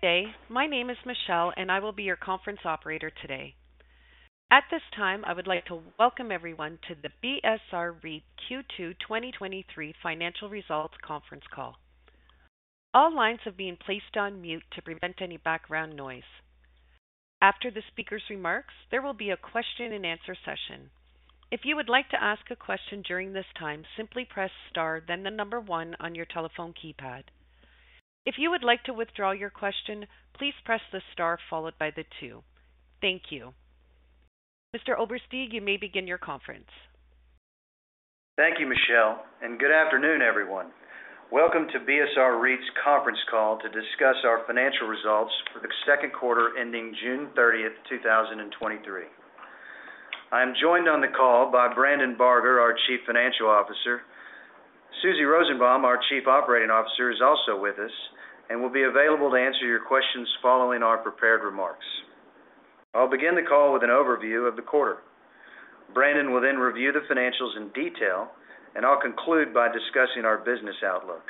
Good day. My name is Michelle, and I will be your conference operator today. At this time, I would like to welcome everyone to the BSR REIT Q2 2023 Financial Results conference call. All lines have been placed on mute to prevent any background noise. After the speaker's remarks, there will be a question and answer session. If you would like to ask a question during this time, simply press star, then the number one on your telephone keypad. If you would like to withdraw your question, please press the star followed by the two. Thank you. Mr. Oberste, you may begin your conference. Thank you, Michelle. Good afternoon, everyone. Welcome to BSR REIT's conference call to discuss our financial results for the second quarter ending June 30th, 2023. I am joined on the call by Brandon Barger, our Chief Financial Officer. Susie Rosenbaum, our Chief Operating Officer, is also with us and will be available to answer your questions following our prepared remarks. I'll begin the call with an overview of the quarter. Brandon will then review the financials in detail, I'll conclude by discussing our business outlook.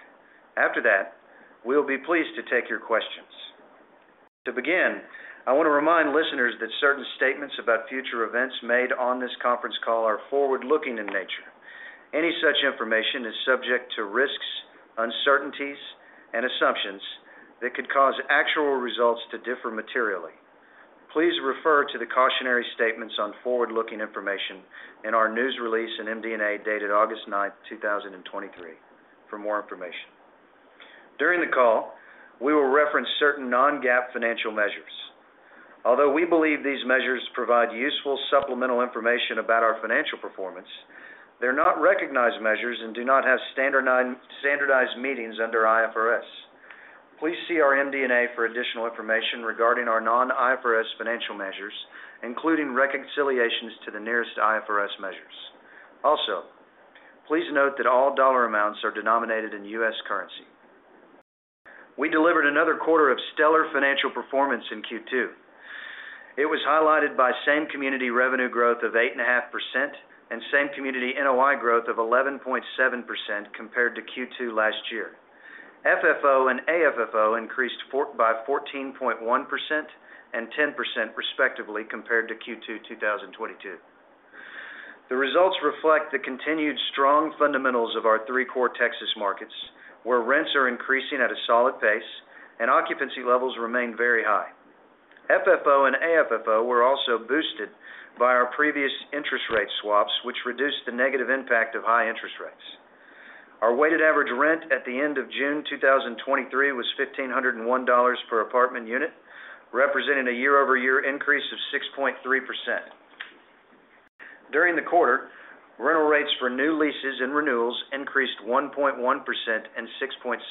After that, we'll be pleased to take your questions. To begin, I want to remind listeners that certain statements about future events made on this conference call are forward-looking in nature. Any such information is subject to risks, uncertainties, and assumptions that could cause actual results to differ materially. Please refer to the cautionary statements on forward-looking information in our news release in MD&A, dated August 9th, 2023 for more information. During the call, we will reference certain non-GAAP financial measures. Although we believe these measures provide useful supplemental information about our financial performance, they're not recognized measures and do not have standardized meanings under IFRS. Please see our MD&A for additional information regarding our non-IFRS financial measures, including reconciliations to the nearest IFRS measures. Please note that all dollar amounts are denominated in U.S. currency. We delivered another quarter of stellar financial performance in Q2. It was highlighted by same-community revenue growth of 8.5% and same-community NOI growth of 11.7% compared to Q2 last year. FFO and AFFO increased by 14.1% and 10%, respectively, compared to Q2 2022. The results reflect the continued strong fundamentals of our three core Texas markets, where rents are increasing at a solid pace and occupancy levels remain very high. FFO and AFFO were also boosted by our previous interest rate swaps, which reduced the negative impact of high interest rates. Our weighted average rent at the end of June 2023 was $1,501 per apartment unit, representing a year-over-year increase of 6.3%. During the quarter, rental rates for new leases and renewals increased 1.1% and 6.7%,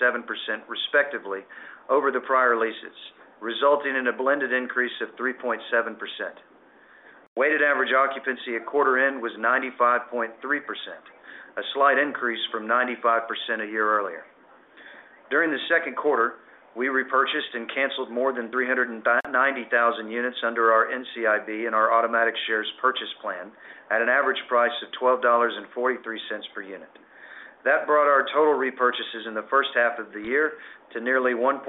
respectively, over the prior leases, resulting in a blended increase of 3.7%. Weighted average occupancy at quarter end was 95.3%, a slight increase from 95% a year earlier. During the second quarter, we repurchased and canceled more than 390,000 units under our NCIB and our automatic shares purchase plan at an average price of $12.43 per unit. That brought our total repurchases in the first half of the year to nearly 1.5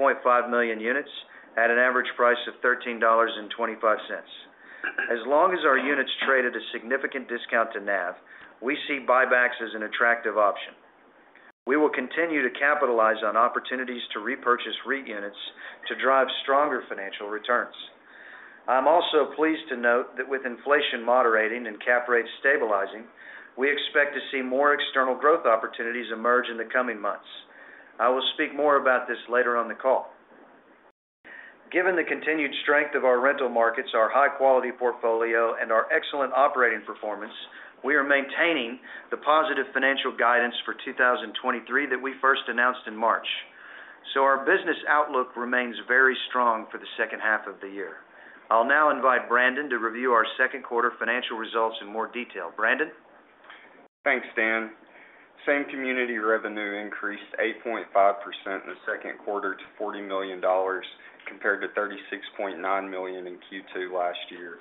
million units at an average price of $13.25. As long as our units trade at a significant discount to NAV, we see buybacks as an attractive option. We will continue to capitalize on opportunities to repurchase REIT units to drive stronger financial returns. I'm also pleased to note that with inflation moderating and cap rates stabilizing, we expect to see more external growth opportunities emerge in the coming months. I will speak more about this later on the call. Given the continued strength of our rental markets, our high-quality portfolio, and our excellent operating performance, we are maintaining the positive financial guidance for 2023 that we first announced in March. Our business outlook remains very strong for the second half of the year. I'll now invite Brandon to review our second quarter financial results in more detail. Brandon? Thanks, Dan. Same-community revenue increased 8.5% in the second quarter to $40 million, compared to $36.9 million in Q2 last year.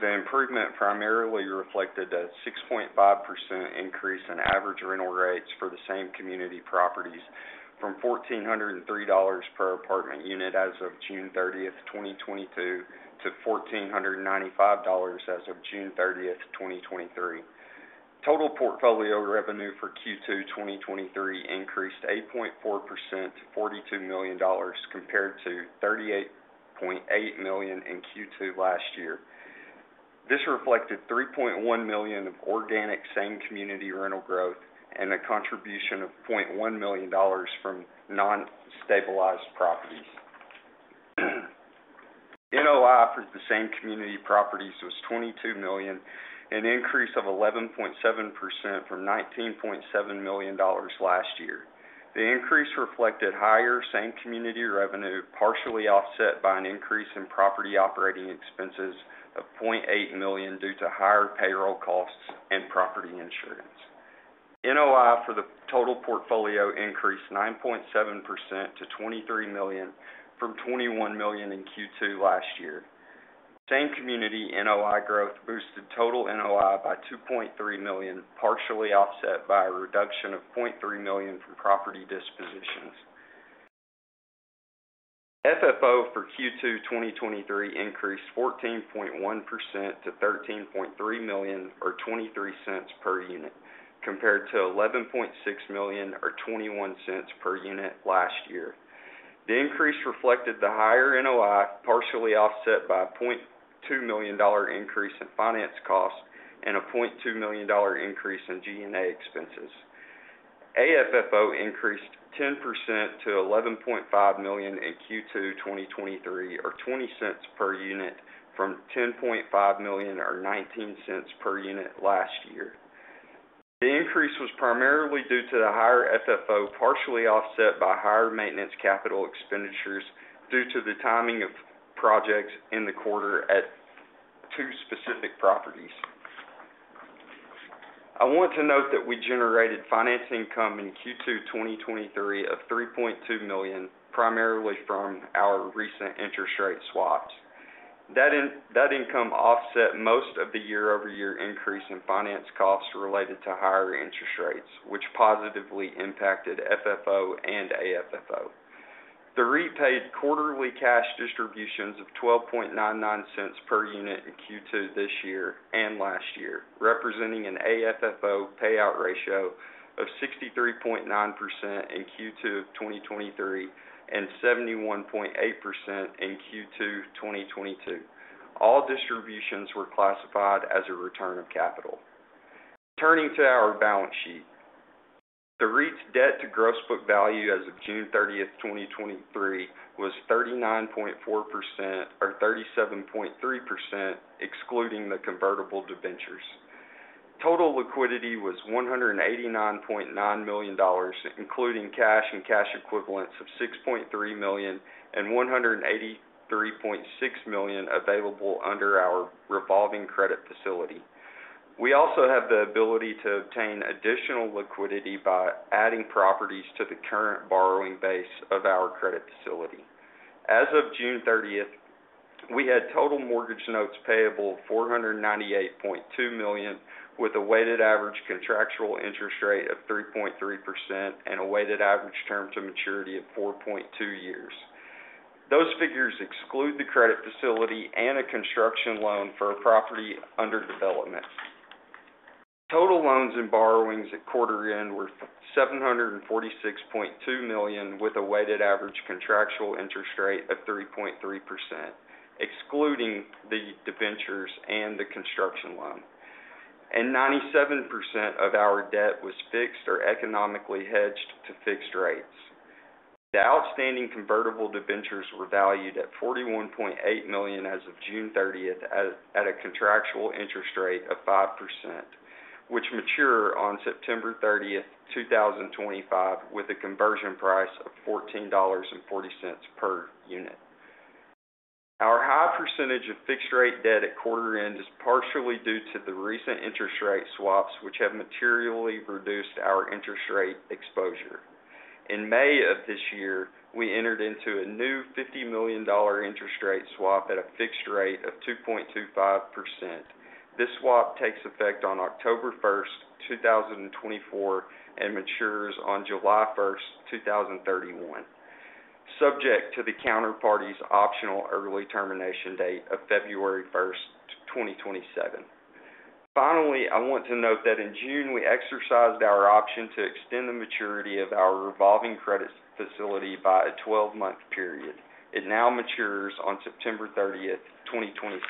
The improvement primarily reflected a 6.5% increase in average rental rates for the same community properties from $1,403 per apartment unit as of June thirtieth, 2022, to $1,495 as of June thirtieth, 2023. Total portfolio revenue for Q2 2023 increased 8.4% to $42 million, compared to $38.8 million in Q2 last year. This reflected $3.1 million of organic same-community rental growth and a contribution of $0.1 million from non-stabilized properties. NOI for the same community properties was $22 million, an increase of 11.7% from $19.7 million last year. The increase reflected higher same-community revenue, partially offset by an increase in property operating expenses of $0.8 million due to higher payroll costs and property insurance. NOI for the total portfolio increased 9.7%-$23 million from $21 million in Q2 last year. Same community NOI growth boosted total NOI by $2.3 million, partially offset by a reduction of $0.3 million from property dispositions. FFO for Q2 2023 increased 14.1% to $13.3 million, or $0.23 per unit, compared to $11.6 million, or $0.21 per unit last year. The increase reflected the higher NOI, partially offset by a $0.2 million increase in finance costs and a $0.2 million increase in G&A expenses. AFFO increased 10% to $11.5 million in Q2 2023, or $0.20 per unit, from $10.5 million, or $0.19 per unit last year. The increase was primarily due to the higher FFO, partially offset by higher maintenance capital expenditures due to the timing of projects in the quarter at two specific properties. I want to note that we generated financing income in Q2 2023 of $3.2 million, primarily from our recent interest rate swaps. That income offset most of the year-over-year increase in finance costs related to higher interest rates, which positively impacted FFO and AFFO. The REIT paid quarterly cash distributions of $0.1299 per unit in Q2 this year and last year, representing an AFFO payout ratio of 63.9% in Q2 2023, and 71.8% in Q2 2022. All distributions were classified as a return of capital. Turning to our balance sheet. The REIT's debt to gross book value as of June 30th, 2023, was 39.4%, or 37.3%, excluding the convertible debentures. Total liquidity was $189.9 million, including cash and cash equivalents of $6.3 million and $183.6 million available under our revolving credit facility. We also have the ability to obtain additional liquidity by adding properties to the current borrowing base of our credit facility. As of June 30th, we had total mortgage notes payable of $498.2 million, with a weighted average contractual interest rate of 3.3% and a weighted average term to maturity of 4.2 years. Those figures exclude the credit facility and a construction loan for a property under development. Total loans and borrowings at quarter end were $746.2 million, with a weighted average contractual interest rate of 3.3%, excluding the debentures and the construction loan. Ninety-seven percent of our debt was fixed or economically hedged to fixed rates. The outstanding convertible debentures were valued at $41.8 million as of June 30th, at a contractual interest rate of 5%, which mature on September 30th, 2025, with a conversion price of $14.40 per unit. Our high percentage of fixed rate debt at quarter end is partially due to the recent interest rate swaps, which have materially reduced our interest rate exposure. In May of this year, we entered into a new $50 million interest rate swap at a fixed rate of 2.25%. This swap takes effect on October 1st, 2024, and matures on July 1st, 2031, subject to the counterparty's optional early termination date of February 1st, 2027. Finally, I want to note that in June, we exercised our option to extend the maturity of our revolving credit facility by a 12-month period. It now matures on September 30th, 2026.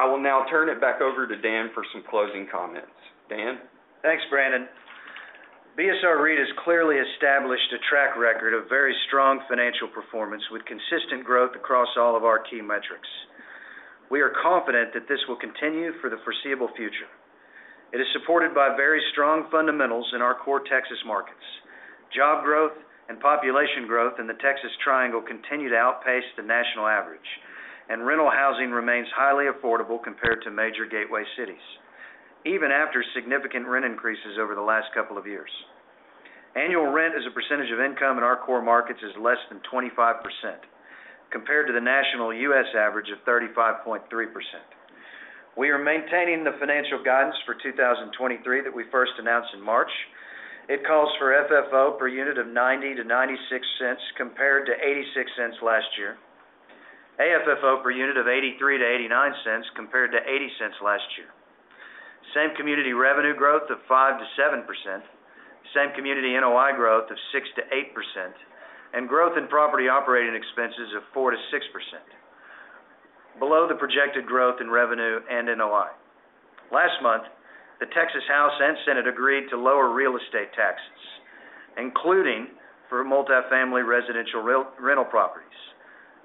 I will now turn it back over to Dan for some closing comments. Dan? Thanks, Brandon. BSR REIT has clearly established a track record of very strong financial performance, with consistent growth across all of our key metrics. We are confident that this will continue for the foreseeable future. It is supported by very strong fundamentals in our core Texas markets. Job growth and population growth in the Texas Triangle continue to outpace the national average, and rental housing remains highly affordable compared to major gateway cities, even after significant rent increases over the last couple of years. Annual rent as a percentage of income in our core markets is less than 25%, compared to the national U.S. average of 35.3%. We are maintaining the financial guidance for 2023 that we first announced in March. It calls for FFO per unit of $0.90-$0.96, compared to $0.86 last year. AFFO per unit of $0.83-$0.89, compared to $0.80 last year. Same community revenue growth of 5%-7%, same community NOI growth of 6%-8%, growth in property operating expenses of 4%-6%, below the projected growth in revenue and NOI. Last month, the Texas House and Senate agreed to lower real estate taxes, including for multifamily residential rental properties.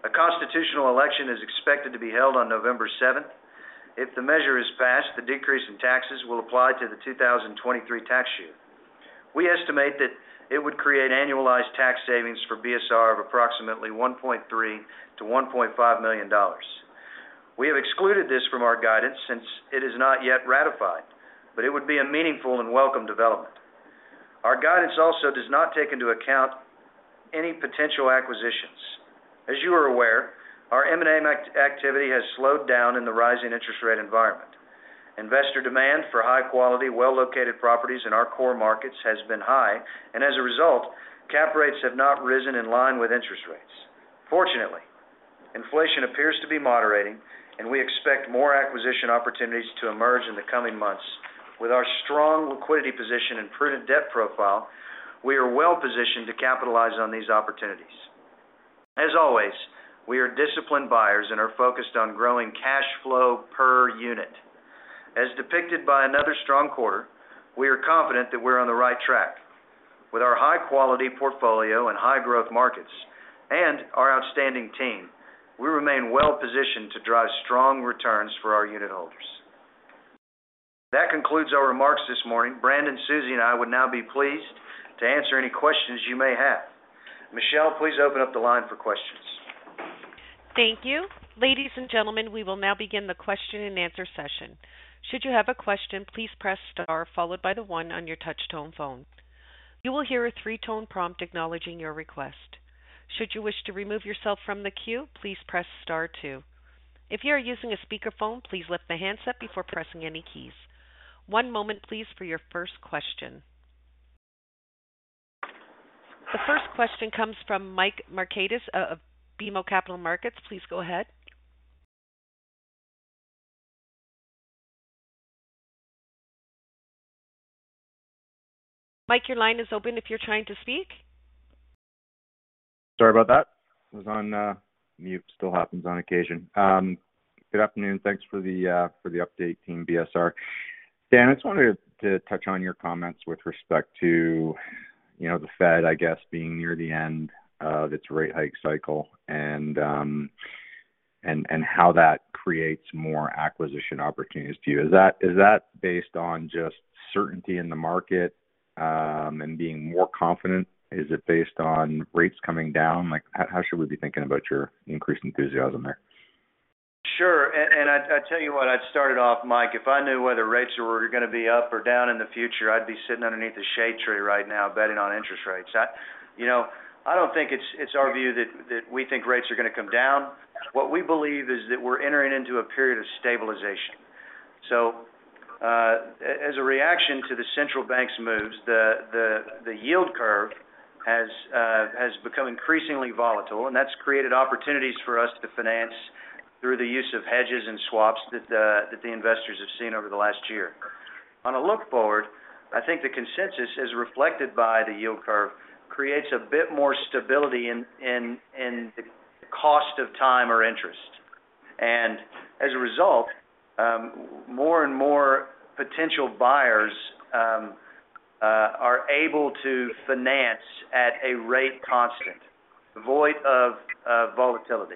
A constitutional election is expected to be held on November seventh. If the measure is passed, the decrease in taxes will apply to the 2023 tax year. We estimate that it would create annualized tax savings for BSR of approximately $1.3 million-$1.5 million. We have excluded this from our guidance since it is not yet ratified, but it would be a meaningful and welcome development. Our guidance also does not take into account any potential acquisitions. As you are aware, our M&A activity has slowed down in the rising interest rate environment. Investor demand for high quality, well-located properties in our core markets has been high, and as a result, cap rates have not risen in line with interest rates. Fortunately, inflation appears to be moderating, and we expect more acquisition opportunities to emerge in the coming months. With our strong liquidity position and prudent debt profile, we are well positioned to capitalize on these opportunities. As always, we are disciplined buyers and are focused on growing cash flow per unit. As depicted by another strong quarter, we are confident that we're on the right track. With our high-quality portfolio and high-growth markets and our outstanding team, we remain well positioned to drive strong returns for our unit holders. That concludes our remarks this morning. Brandon, Susie, and I would now be pleased to answer any questions you may have. Michelle, please open up the line for questions. Thank you. Ladies and gentlemen, we will now begin the question-and-answer session. Should you have a question, please press star followed by the one on your touch-tone phone. You will hear a three-tone prompt acknowledging your request. Should you wish to remove yourself from the queue, please press star two. If you are using a speakerphone, please lift the handset before pressing any keys. One moment please, for your first question. The first question comes from Michael Markidis of BMO Capital Markets. Please go ahead. Mike, your line is open if you're trying to speak. Sorry about that. I was on mute. Still happens on occasion. Good afternoon. Thanks for the for the update, Team BSR. Dan, I just wanted to, to touch on your comments with respect to, you know, the Fed, I guess, being near the end of its rate hike cycle, and, and how that creates more acquisition opportunities to you. Is that, is that based on just certainty in the market, and being more confident? Is it based on rates coming down? Like, how, how should we be thinking about your increased enthusiasm there? Sure. I, I tell you what I'd started off, Mike, if I knew whether rates were gonna be up or down in the future, I'd be sitting underneath a shade tree right now, betting on interest rates. You know, I don't think it's our view that we think rates are gonna come down. What we believe is that we're entering into a period of stabilization. As a reaction to the central bank's moves, the yield curve has become increasingly volatile, and that's created opportunities for us to finance through the use of hedges and swaps that the investors have seen over the last year. On a look forward, I think the consensus, as reflected by the yield curve, creates a bit more stability in the cost of time or interest. As a result, more and more potential buyers are able to finance at a rate constant, void of volatility.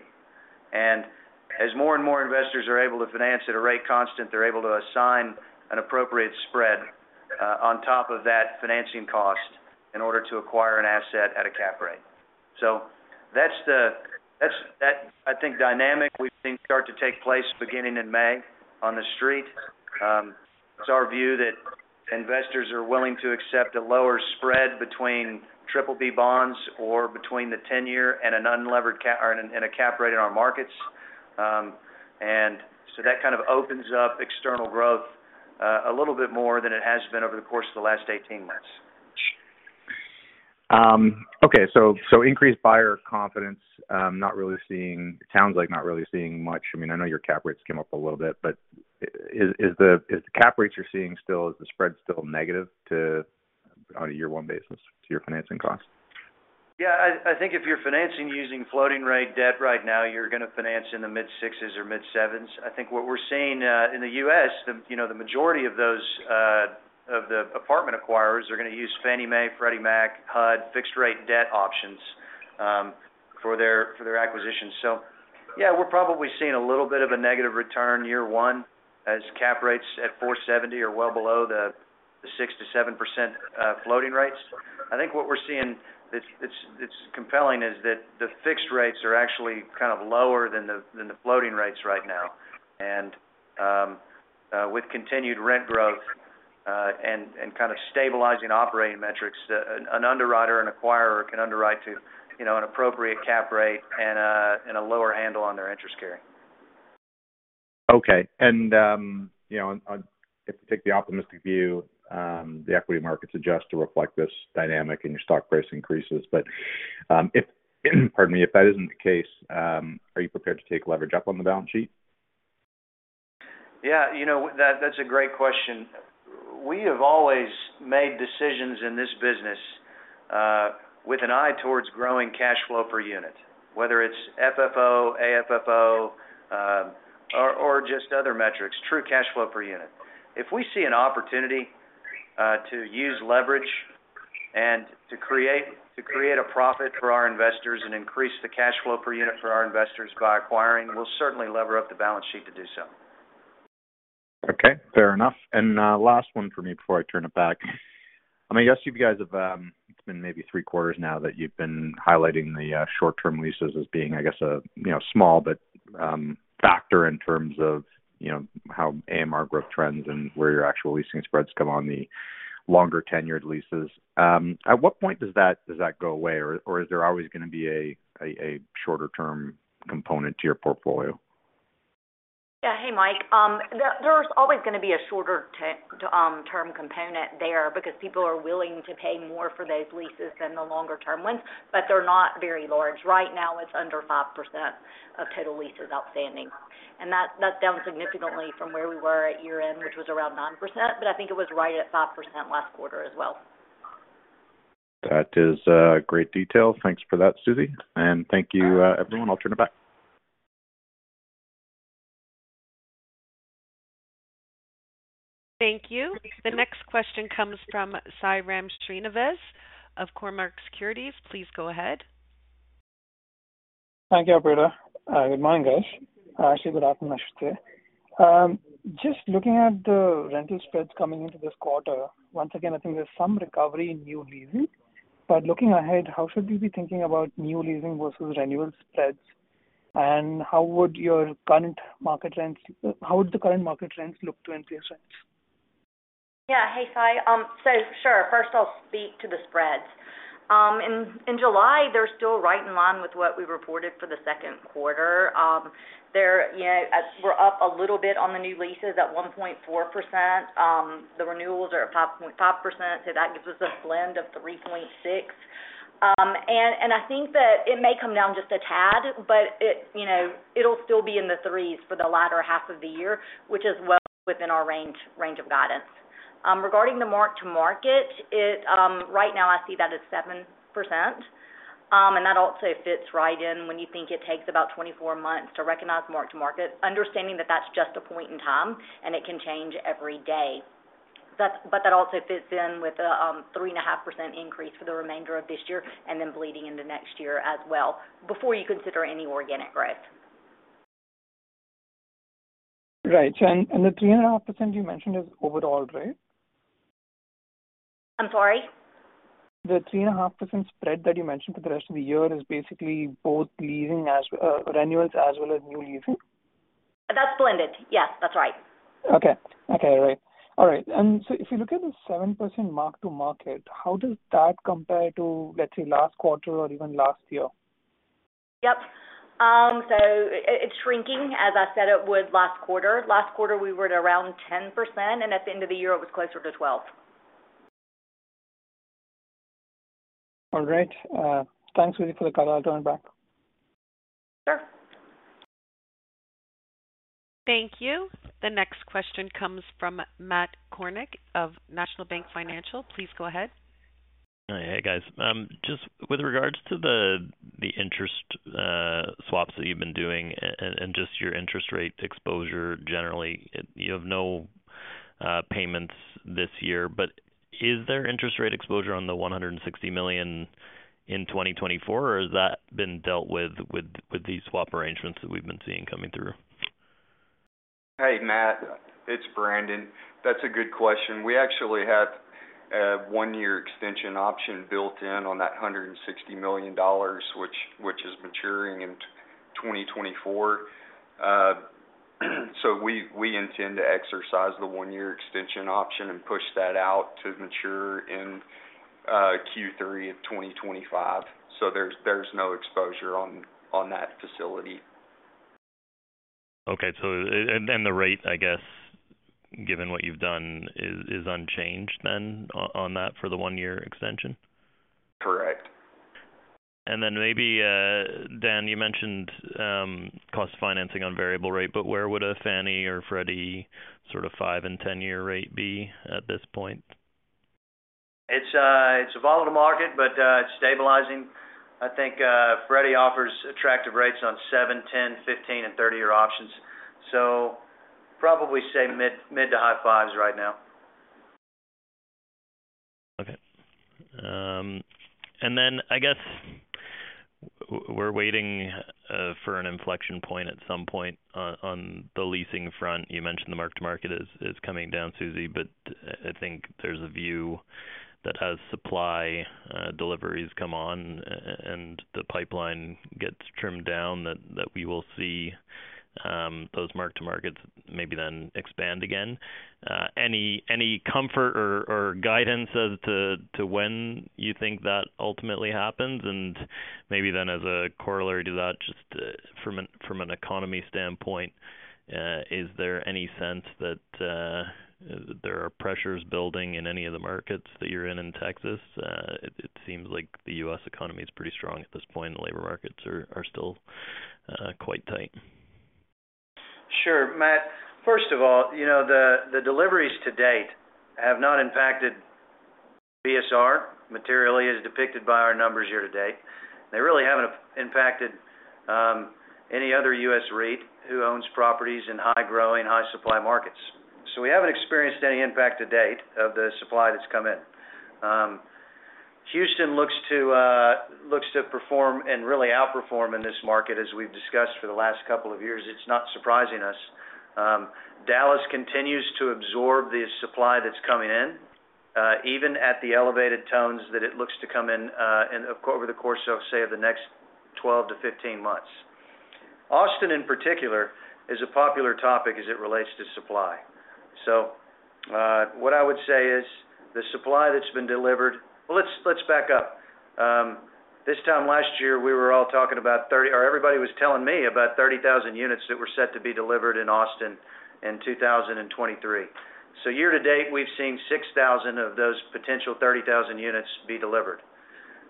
As more and more investors are able to finance at a rate constant, they're able to assign an appropriate spread on top of that financing cost in order to acquire an asset at a cap rate. That's the dynamic, I think, we've seen start to take place beginning in May on the street. It's our view that investors are willing to accept a lower spread between BBB bonds or between the 10-year and an unlevered cap, or in a cap rate in our markets. That kind of opens up external growth a little bit more than it has been over the course of the last 18 months. Okay, so, so increased buyer confidence, not really seeing It sounds like not really seeing much. I mean, I know your cap rates came up a little bit, but is the cap rates you're seeing still, is the spread still negative to on a year-one basis to your financing costs? Yeah, I, I think if you're financing using floating rate debt right now, you're gonna finance in the mid-sixes or mid-sevens. I think what we're seeing in the U.S., the, you know, the majority of those of the apartment acquirers are gonna use Fannie Mae, Freddie Mac, HUD, fixed-rate debt options for their, for their acquisitions. Yeah, we're probably seeing a little bit of a negative return year one, as cap rates at 4.70% are well below the 6%-7% floating rates. I think what we're seeing that's, that's, that's compelling is that the fixed rates are actually kind of lower than the, than the floating rates right now. With continued rent growth, and kind of stabilizing operating metrics, an underwriter and acquirer can underwrite to, you know, an appropriate cap rate and a lower handle on their interest carrying. Okay. You know, if you take the optimistic view, the equity markets adjust to reflect this dynamic and your stock price increases. If, pardon me, if that isn't the case, are you prepared to take leverage up on the balance sheet? Yeah, you know, that, that's a great question. We have always made decisions in this business, with an eye towards growing cash flow per unit. Whether it's FFO, AFFO, or, or just other metrics, true cash flow per unit. If we see an opportunity, to use leverage and to create, to create a profit for our investors and increase the cash flow per unit for our investors by acquiring, we'll certainly lever up the balance sheet to do so. Okay, fair enough. Last one for me before I turn it back. I mean, I guess you guys have, it's been maybe three quarters now that you've been highlighting the short-term leases as being, I guess, a, you know, small factor in terms of, you know, how AMR growth trends and where your actual leasing spreads come on the longer tenured leases. At what point does that, does that go away, or, or is there always going to be a, a, a shorter term component to your portfolio? Yeah. Hey, Mike. there, there's always going to be a shorter term component there because people are willing to pay more for those leases than the longer term ones, but they're not very large. Right now, it's under 5% of total leases outstanding, and that's down significantly from where we were at year-end, which was around 9%, but I think it was right at 5% last quarter as well. That is great detail. Thanks for that, Susie, and thank you, everyone. I'll turn it back. Thank you. The next question comes from Sairam Srinivas of Cormark Securities. Please go ahead. Thank you, operator. Good morning, guys. Actually, good afternoon, I should say. Just looking at the rental spreads coming into this quarter, once again, I think there's some recovery in new leasing. Looking ahead, how should we be thinking about new leasing versus renewal spreads? How would the current market trends look to NPS rents? Yeah. Hey, Sai. Sure. First, I'll speak to the spreads. In, in July, they're still right in line with what we reported for the second quarter. They're, you know, we're up a little bit on the new leases at 1.4%. The renewals are at 5.5%, so that gives us a blend of 3.6%. I think that it may come down just a tad, but it, you know, it'll still be in the 3s for the latter half of the year, which is well within our range, range of guidance. Regarding the mark-to-market, it, right now I see that it's 7%, and that also fits right in when you think it takes about 24 months to recognize mark-to-market, understanding that that's just a point in time, and it can change every day. That also fits in with the, 3.5% increase for the remainder of this year, and then bleeding into next year as well, before you consider any organic growth. Right. The 3.5% you mentioned is overall, right? I'm sorry? The 3.5% spread that you mentioned for the rest of the year is basically both leasing as renewals as well as new leasing? That's blended. Yes, that's right. Okay. Okay, great. All right, so if you look at the 7% mark-to-market, how does that compare to, let's say, last quarter or even last year? Yep. It's shrinking, as I said it would last quarter. Last quarter, we were at around 10%, and at the end of the year, it was closer to 12%. All right. Thanks, Susie, for the call. I'll turn back. Sure. Thank you. The next question comes from Matt Kornack of National Bank Financial. Please go ahead. Hey, guys. just with regards to the, the interest, swaps that you've been doing a-and just your interest rate exposure, generally, you have no, payments this year, but is there interest rate exposure on the $160 million in 2024, or has that been dealt with, with, with these swap arrangements that we've been seeing coming through? Hey, Matt, it's Brandon. That's a good question. We actually have a one-year extension option built in on that $160 million, which, which is maturing in 2024. We, we intend to exercise the one-year extension option and push that out to mature in Q3 of 2025. There's, there's no exposure on, on that facility. Okay. and, and the rate, I guess, given what you've done, is, is unchanged then on that for the one-year extension? Correct. Maybe, Dan, you mentioned, cost of financing on variable rate, but where would a Fannie or Freddie sort of five and 10-year rate be at this point? It's a, it's a volatile market, but it's stabilizing. I think Freddie offers attractive rates on seven, 10, 15, and 30-year options, so probably say mid, mid to high 5s right now. Okay. And then I guess w-we're waiting for an inflection point at some point on, on the leasing front. You mentioned the mark-to-market is, is coming down, Susie, but I think there's a view that has supply, deliveries come on and the pipeline gets trimmed down, that, that we will see those mark-to-markets maybe then expand again. Any, any comfort or, or guidance as to, to when you think that ultimately happens? And maybe then as a corollary to that, just from an, from an economy standpoint, is there any sense that there are pressures building in any of the markets that you're in, in Texas? It, it seems like the US economy is pretty strong at this point, and the labor markets are, are still quite tight. Sure, Matt. First of all, you know, the deliveries to date have not impacted BSR materially, as depicted by our numbers here today. They really haven't impacted any other U.S. REIT who owns properties in high-growing, high-supply markets. We haven't experienced any impact to date of the supply that's come in. Houston looks to perform and really outperform in this market, as we've discussed for the last couple of years. It's not surprising us. Dallas continues to absorb the supply that's coming in, even at the elevated tones that it looks to come in, over the course of, say, the next 12-15 months. Austin, in particular, is a popular topic as it relates to supply. What I would say is the supply that's been delivered. Well, let's, let's back up. This time last year, we were all talking about 30, or everybody was telling me about 30,000 units that were set to be delivered in Austin in 2023. Year-to-date, we've seen 6,000 of those potential 30,000 units be delivered.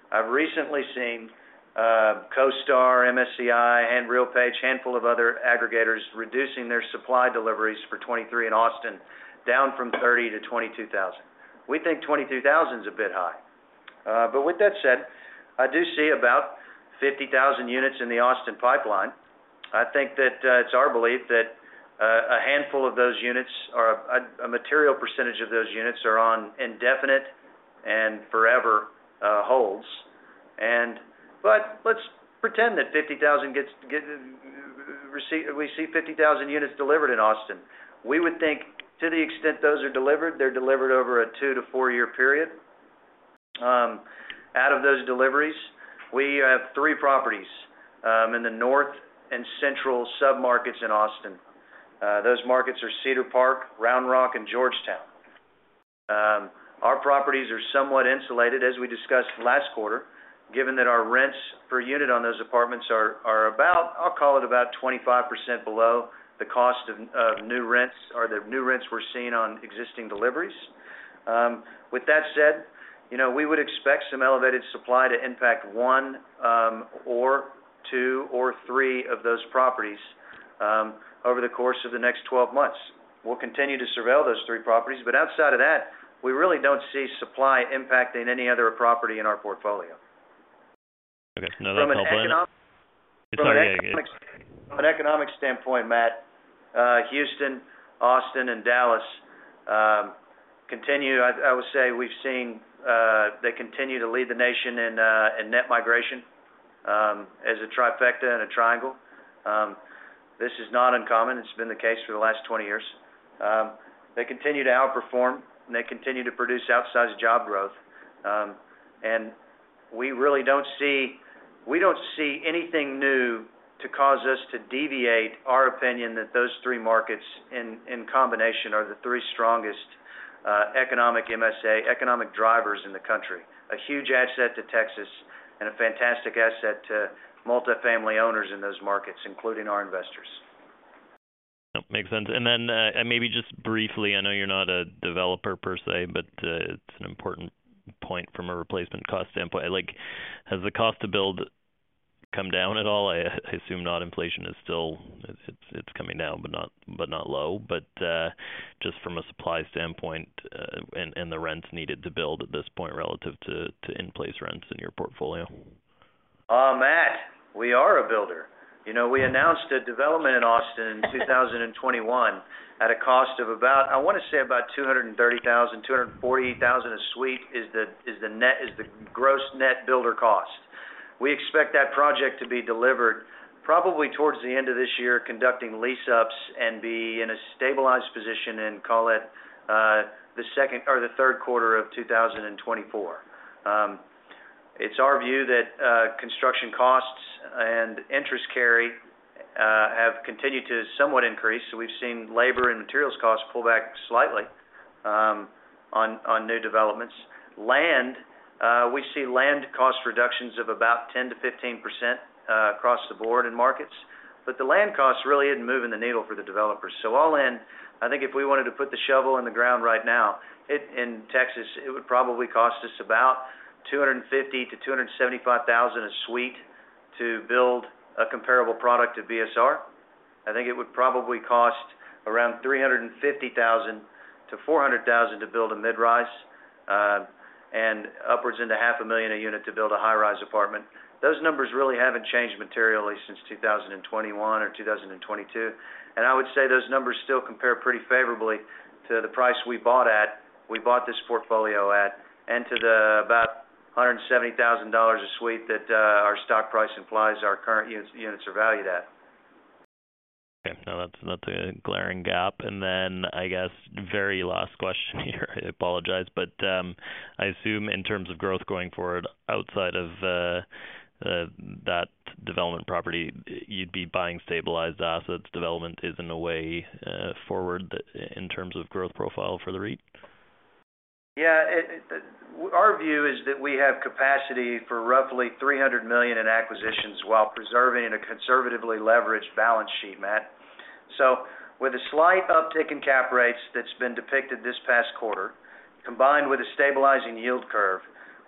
I've recently seen CoStar, MSCI, and RealPage, handful of other aggregators, reducing their supply deliveries for 2023 in Austin, down from 30-22,000. We think 22,000 is a bit high. With that said, I do see about 50,000 units in the Austin pipeline. I think that, it's our belief that, a handful of those units or a, a material percentage of those units are on indefinite and forever, holds. Let's pretend that 50,000 gets, get, receive we see 50,000 units delivered in Austin. We would think to the extent those are delivered, they're delivered over a two-four year period. Out of those deliveries, we have three properties in the north and central submarkets in Austin. Those markets are Cedar Park, Round Rock, and Georgetown. Our properties are somewhat insulated, as we discussed last quarter, given that our rents per unit on those apartments are, are about, I'll call it about 25% below the cost of, of new rents or the new rents we're seeing on existing deliveries. With that said, you know, we would expect some elevated supply to impact one, or two, or three of those properties over the course of the next 12 months. We'll continue to surveil those three properties, but outside of that, we really don't see supply impacting any other property in our portfolio. Okay. Another problem From an economic, from an economic, from an economic standpoint, Matt, Houston, Austin, and Dallas, continue. I, I would say we've seen, they continue to lead the nation in net migration, as a trifecta and a triangle. This is not uncommon. It's been the case for the last 20 years. They continue to outperform, and they continue to produce outsized job growth. We really don't see we don't see anything new to cause us to deviate our opinion that those three markets, in, in combination, are the three strongest, economic MSA, economic drivers in the country. A huge asset to Texas and a fantastic asset to multifamily owners in those markets, including our investors. Yep, makes sense. Then, and maybe just briefly, I know you're not a developer per se, but it's an important point from a replacement cost standpoint. Like, has the cost to build come down at all? I assume not. Inflation is still, it's coming down, but not low. Just from a supply standpoint, and the rents needed to build at this point relative to in-place rents in your portfolio. Matt, we are a builder. You know, we announced a development in Austin in 2021 at a cost of about, I want to say about $230,000, $248,000 a suite is the, is the gross net builder cost. We expect that project to be delivered probably towards the end of this year, conducting lease ups and be in a stabilized position and call it, the second or the third quarter of 2024. It's our view that construction costs and interest carry have continued to somewhat increase. We've seen labor and materials costs pull back slightly on, on new developments. Land, we see land cost reductions of about 10%-15% across the board in markets, but the land costs really isn't moving the needle for the developers. All in, I think if we wanted to put the shovel in the ground right now, in Texas, it would probably cost us about $250,000-$275,000 a suite to build a comparable product to BSR. I think it would probably cost around $350,000-$400,000 to build a mid-rise, and upwards into $500,000 a unit to build a high-rise apartment. Those numbers really haven't changed materially since 2021 or 2022. I would say those numbers still compare pretty favorably to the price we bought at, we bought this portfolio at, and to the about $170,000 a suite that, our stock price implies our current units, units are valued at. Okay. No, that's, that's a glaring gap. Then, I guess, very last question here, I apologize, but, I assume in terms of growth going forward, outside of, that development property, you'd be buying stabilized assets. Development isn't a way, forward in terms of growth profile for the REIT? Yeah, our view is that we have capacity for roughly $300 million in acquisitions while preserving a conservatively leveraged balance sheet, Matt. With a slight uptick in cap rates that's been depicted this past quarter, combined with a stabilizing yield curve,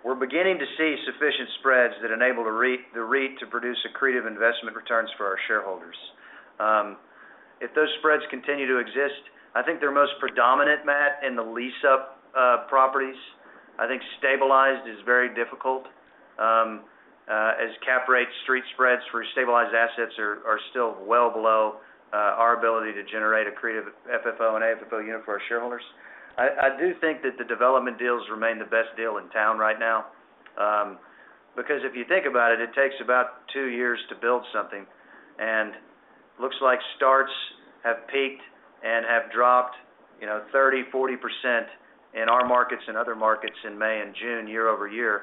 we're beginning to see sufficient spreads that enable the REIT, the REIT to produce accretive investment returns for our shareholders. If those spreads continue to exist, I think they're most predominant, Matt, in the lease-up properties. I think stabilized is very difficult, as cap rate street spreads for stabilized assets are, are still well below our ability to generate accretive FFO and AFFO unit for our shareholders. I, I do think that the development deals remain the best deal in town right now. If you think about it, it takes about two years to build something, and looks like starts have peaked and have dropped, you know, 30%-40% in our markets and other markets in May and June, year-over-year.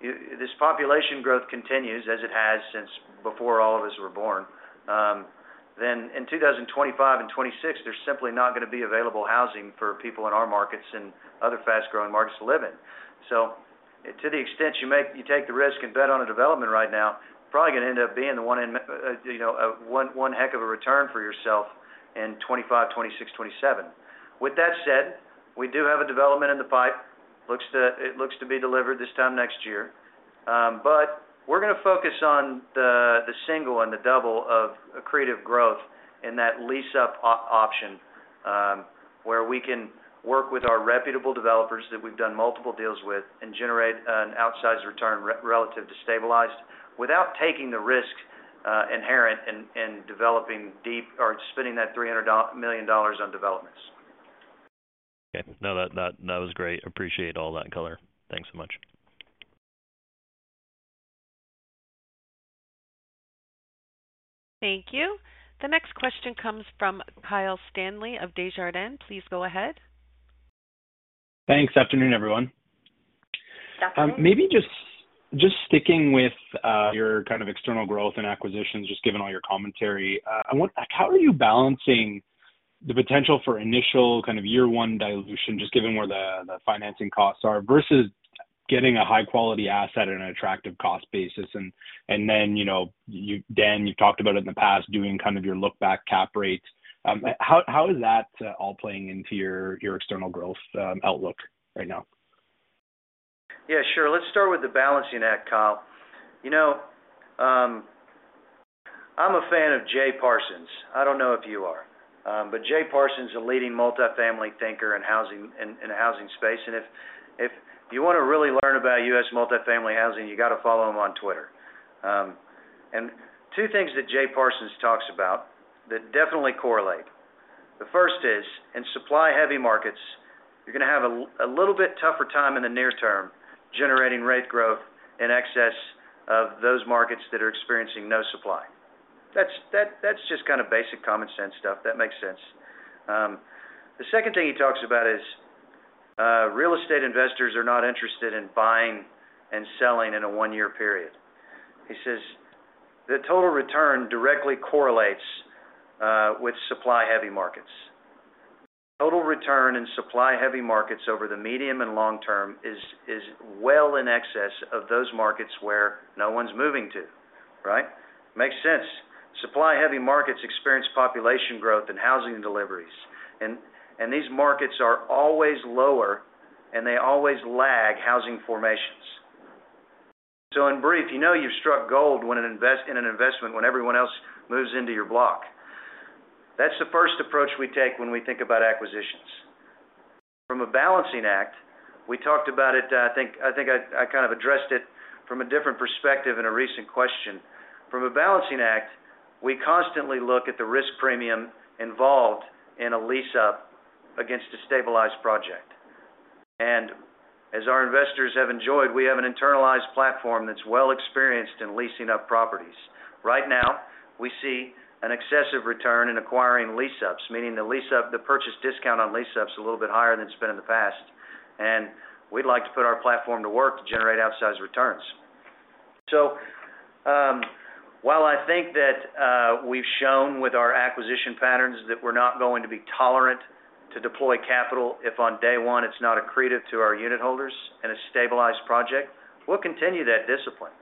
If this population growth continues, as it has since before all of us were born, then in 2025 and 2026, there's simply not going to be available housing for people in our markets and other fast-growing markets to live in. To the extent you make you take the risk and bet on a development right now, probably going to end up being the one in m- you know, one, one heck of a return for yourself in 2025, 2026, 2027. With that said, we do have a development in the pipe. Looks to, it looks to be delivered this time next year. But we're going to focus on the, the single and the double of accretive growth in that lease-up option, where we can work with our reputable developers that we've done multiple deals with and generate an outsized return relative to stabilized without taking the risk inherent in, in developing deep or spending that $300 million on developments. Okay. No, that, that, that was great. Appreciate all that color. Thanks so much. Thank you. The next question comes from Kyle Stanley of Desjardins. Please go ahead. Thanks. Afternoon, everyone. Afternoon. Maybe just, just sticking with your kind of external growth and acquisitions, just given all your commentary, how are you balancing the potential for initial kind of year-one dilution, just given where the financing costs are, versus getting a high-quality asset at an attractive cost basis, and, and then, you know, Dan, you've talked about in the past, doing kind of your look back cap rates. How is that all playing into your external growth outlook right now? Yeah, sure. Let's start with the balancing act, Kyle. You know, I'm a fan of Jay Parsons. I don't know if you are, but Jay Parsons is a leading multifamily thinker in housing, in, in the housing space. And if, if you want to really learn about U.S. multifamily housing, you got to follow him on X. Two things that Jay Parsons talks about that definitely correlate. The first is, in supply-heavy markets, you're going to have a little bit tougher time in the near term, generating rate growth in excess of those markets that are experiencing no supply. That's, that, that's just kind of basic common sense stuff. That makes sense. The second thing he talks about is, real estate investors are not interested in buying and selling in a one-year period. He says, the total return directly correlates with supply-heavy markets. Total return in supply-heavy markets over the medium and long term is, is well in excess of those markets where no one's moving to, right? Makes sense. Supply-heavy markets experience population growth and housing deliveries, and, and these markets are always lower, and they always lag housing formations. In brief, you know you've struck gold when an investment when everyone else moves into your block. That's the first approach we take when we think about acquisitions. From a balancing act, we talked about it, I think, I think I, I kind of addressed it from a different perspective in a recent question. From a balancing act, we constantly look at the risk premium involved in a lease-up against a stabilized project. As our investors have enjoyed, we have an internalized platform that's well experienced in leasing up properties. Right now, we see an excessive return in acquiring lease-ups, meaning the lease-up, the purchase discount on lease-up is a little bit higher than it's been in the past, and we'd like to put our platform to work to generate outsized returns. While I think that we've shown with our acquisition patterns that we're not going to be tolerant to deploy capital, if on day one it's not accretive to our unit holders in a stabilized project, we'll continue that discipline.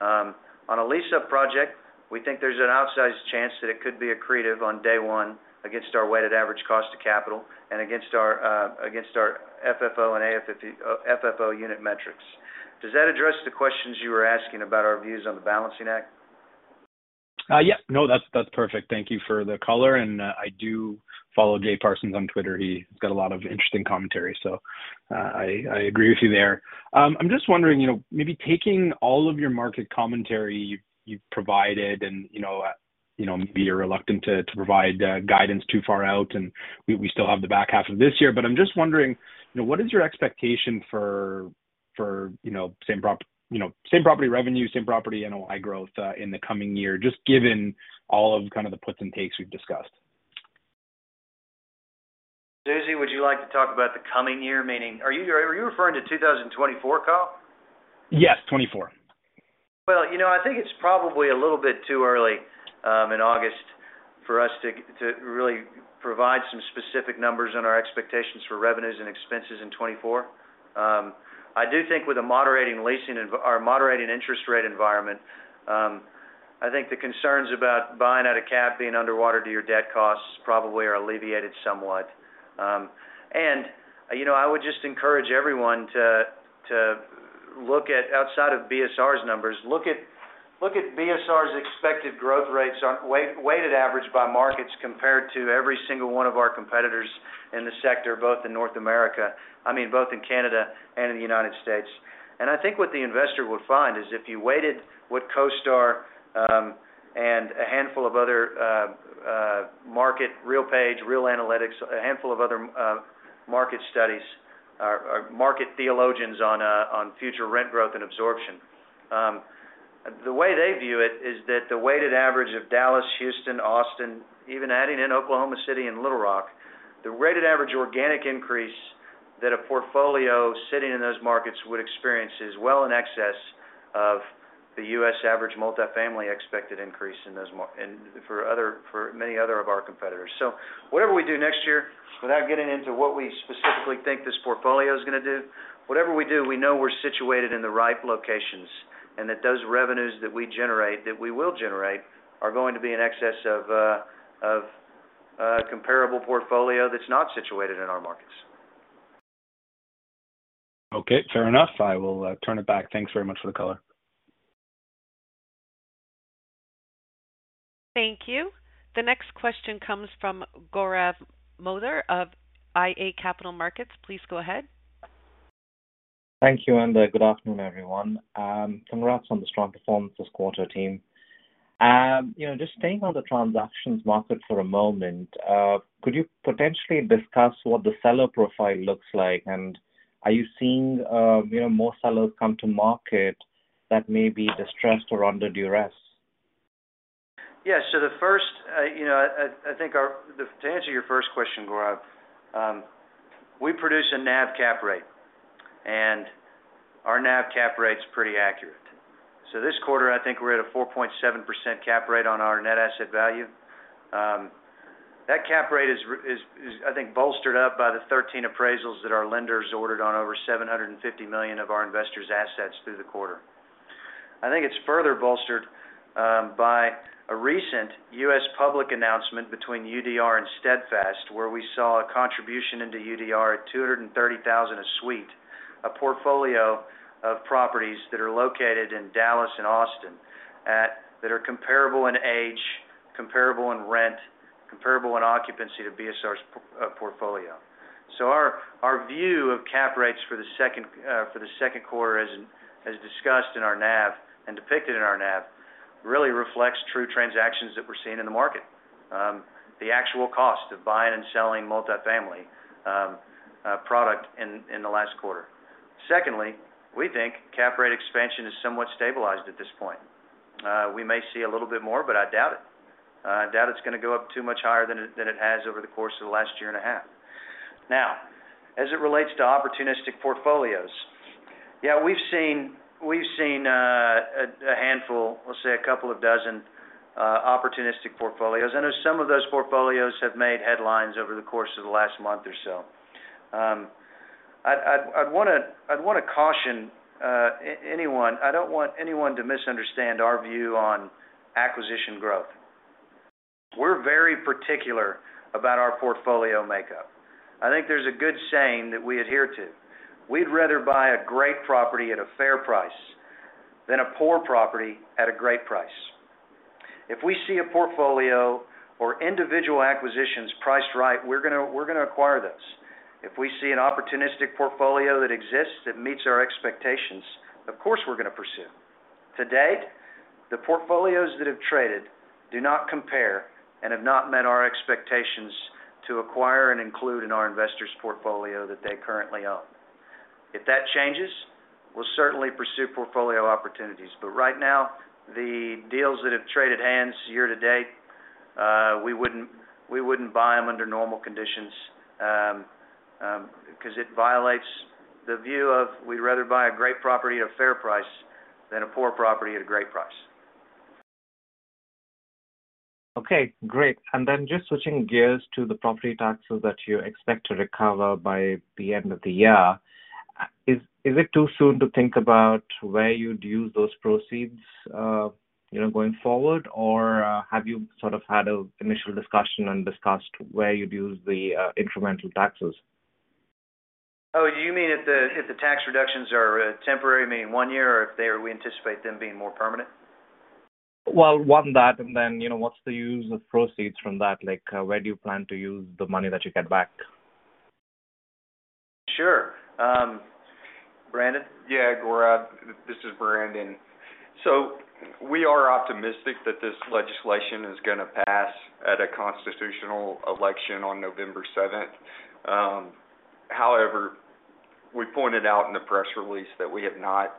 On a lease-up project, we think there's an outsized chance that it could be accretive on day one against our weighted average cost of capital and against our FFO and FFO unit metrics. Does that address the questions you were asking about our views on the balancing act? Yeah. No, that's, that's perfect. Thank you for the color. I do follow Jay Parsons on X. He's got a lot of interesting commentary, so, I, I agree with you there. I'm just wondering, you know, maybe taking all of your market commentary you've, you've provided and, you know, you know, maybe you're reluctant to, to provide, guidance too far out, and we, we still have the back half of this year. I'm just wondering, you know, what is your expectation for, for, you know, same prop you know, same property revenue, same property NOI growth, in the coming year, just given all of kind of the puts and takes we've discussed? Susie, would you like to talk about the coming year, meaning... Are you referring to 2024, Kyle? Yes, 24. Well, you know, I think it's probably a little bit too early in August for us to, to really provide some specific numbers on our expectations for revenues and expenses in 2024. I do think with a moderating leasing or a moderating interest rate environment, I think the concerns about buying out of cap being underwater to your debt costs probably are alleviated somewhat. You know, I would just encourage everyone to, to look at outside of BSR's numbers, look at, look at BSR's expected growth rates on weighted average by markets compared to every single one of our competitors in the sector, both in North America, I mean, both in Canada and in the United States. I think what the investor would find is if you weighted what CoStar... and a handful of other market, RealPage, Real Capital Analytics, a handful of other market studies, or, or market theologians on future rent growth and absorption. The way they view it is that the weighted average of Dallas, Houston, Austin, even adding in Oklahoma City and Little Rock, the rated average organic increase that a portfolio sitting in those markets would experience is well in excess of the U.S. average multifamily expected increase in those and for other, for many other of our competitors. Whatever we do next year, without getting into what we specifically think this portfolio is going to do, whatever we do, we know we're situated in the right locations, and that those revenues that we generate, that we will generate, are going to be in excess of comparable portfolio that's not situated in our markets. Okay, fair enough. I will turn it back. Thanks very much for the color. Thank you. The next question comes from Gaurav Mathur of iA Capital Markets. Please go ahead. Thank you, good afternoon, everyone. Congrats on the strong performance this quarter, team. You know, just staying on the transactions market for a moment, could you potentially discuss what the seller profile looks like? Are you seeing, you know, more sellers come to market that may be distressed or under duress? Yes, the first, you know, I think to answer your first question, Gaurav, we produce a NAV cap rate, and our NAV cap rate's pretty accurate. This quarter, I think we're at a 4.7% cap rate on our net asset value. That cap rate is, I think, bolstered up by the 13 appraisals that our lenders ordered on over $750 million of our investors' assets through the quarter. I think it's further bolstered by a recent U.S. public announcement between UDR and Steadfast, where we saw a contribution into UDR at $230,000 a suite, a portfolio of properties that are located in Dallas and Austin, that are comparable in age, comparable in rent, comparable in occupancy to BSR's portfolio. Our, our view of cap rates for the second, for the second quarter, as, as discussed in our NAV and depicted in our NAV, really reflects true transactions that we're seeing in the market. The actual cost of buying and selling multifamily product in the last quarter. Secondly, we think cap rate expansion is somewhat stabilized at this point. We may see a little bit more, but I doubt it. I doubt it's going to go up too much higher than it, than it has over the course of the last year and a half. As it relates to opportunistic portfolios, yeah, we've seen, a handful, let's say, a couple of dozen, opportunistic portfolios. I know some of those portfolios have made headlines over the course of the last month or so. I'd want to caution anyone. I don't want anyone to misunderstand our view on acquisition growth. We're very particular about our portfolio makeup. I think there's a good saying that we adhere to: We'd rather buy a great property at a fair price than a poor property at a great price. If we see a portfolio or individual acquisitions priced right, we're gonna, we're gonna acquire those. If we see an opportunistic portfolio that exists, that meets our expectations, of course, we're going to pursue. Today, the portfolios that have traded do not compare and have not met our expectations to acquire and include in our investors' portfolio that they currently own. If that changes, we'll certainly pursue portfolio opportunities, but right now, the deals that have traded hands year to date, we wouldn't, we wouldn't buy them under normal conditions, because it violates the view of we'd rather buy a great property at a fair price than a poor property at a great price. Okay, great. Just switching gears to the property taxes that you expect to recover by the end of the year. Is it too soon to think about where you'd use those proceeds, you know, going forward? Or have you sort of had an initial discussion and discussed where you'd use the incremental taxes? Oh, you mean if the, if the tax reductions are temporary, meaning one year, or if they are, we anticipate them being more permanent? Well, one, that, and then, you know, what's the use of proceeds from that? Like, where do you plan to use the money that you get back? Sure. Brandon? Yeah, Gaurav, this is Brandon. We are optimistic that this legislation is going to pass at a constitutional election on November seventh. However, we pointed out in the press release that we have not